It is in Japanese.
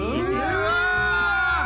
うわ！